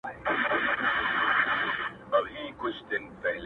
د لوط د قوم د سچيدو به درته څه ووايم,